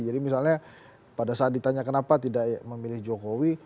jadi misalnya pada saat ditanya kenapa tidak memilih jokowi